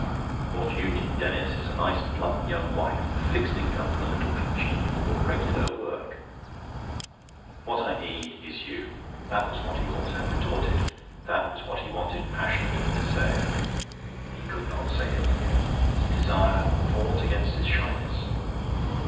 "What you need, Denis, is a nice plump young wife, a fixed income, and a little congenial but regular work." "What I need is you." That was what he ought to have retorted, that was what he wanted passionately to say. He could not say it. His desire fought against his shyness.